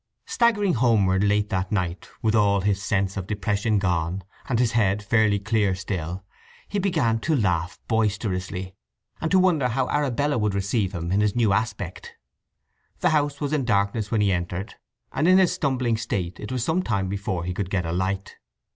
Staggering homeward late that night, with all his sense of depression gone, and his head fairly clear still, he began to laugh boisterously, and to wonder how Arabella would receive him in his new aspect. The house was in darkness when he entered, and in his stumbling state it was some time before he could get a light.